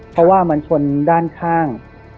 เพราะว่ามันชนด้านข้าง